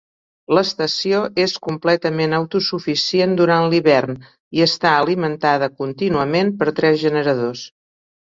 L'estació és completament autosuficient durant l'hivern, i està alimentada contínuament per tres generadors.